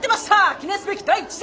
記念すべき第一弾！